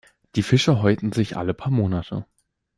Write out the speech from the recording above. Die Fische häuten sich alle paar Monate.